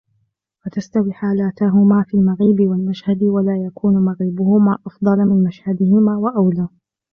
فَتَسْتَوِي حَالَتَاهُمَا فِي الْمَغِيبِ وَالْمَشْهَدِ وَلَا يَكُونُ مَغِيبُهُمَا أَفْضَلَ مِنْ مَشْهَدِهِمَا وَأَوْلَى